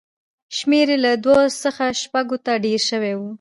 شمېر یې له دوو څخه شپږو ته ډېر شوی و